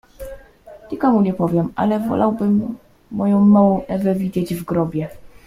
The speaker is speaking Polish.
"Nikomu nie powiem, ale wolałbym, moją małą Ewę widzieć w grobie."